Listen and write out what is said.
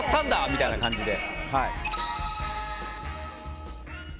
みたいな感じで。